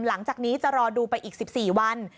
หลังจากนี้จะรอดูไปอีก๑๔วัน